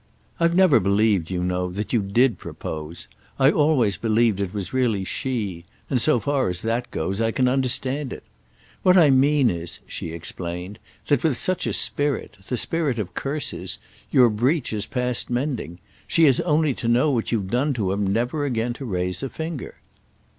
"I've never believed, you know, that you did propose. I always believed it was really she—and, so far as that goes, I can understand it. What I mean is," she explained, "that with such a spirit—the spirit of curses!—your breach is past mending. She has only to know what you've done to him never again to raise a finger."